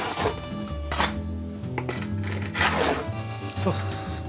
そうそうそうそう。